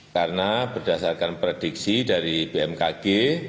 karena berdasarkan prediksi dari bmkg